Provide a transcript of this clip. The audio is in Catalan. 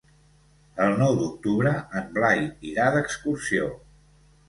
El nou d'octubre en Blai irà d'excursió.